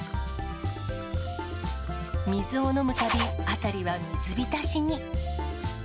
水を飲むたび、辺りは水浸しに。